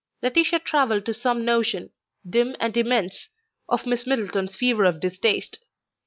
Laetitia travelled to some notion, dim and immense, of Miss Middleton's fever of distaste.